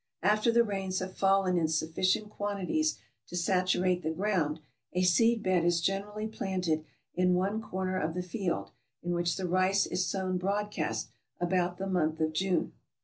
After the rains have fallen in sufficient quanti ties to saturate the ground, a seed bed is generally planted in one corner of the field, in which the rice is sown broad cast, about the month of June.